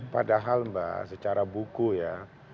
padahal mbak secara buku ya